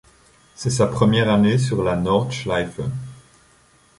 C'est sa première année sur la Nordschleife.